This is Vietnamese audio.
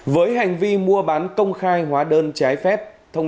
với hành vi mua bán công khai hóa đơn trái phép thông